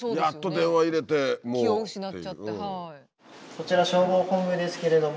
こちら消防本部ですけれども。